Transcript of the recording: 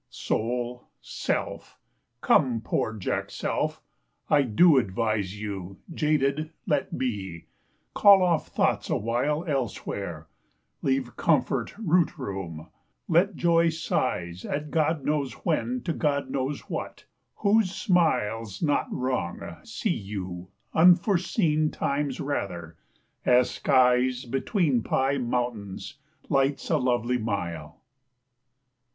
Soul, self; come, poor Jackself, I do advise You, jaded, let be ; call off thoughts awhile Elsewhere ; leave comfort root room ; let joy size At God knows when to God knows what ; whose smile 's not wrung, see you; unforeseen times rather as skies Betweenpie mountains lights a lovely mile.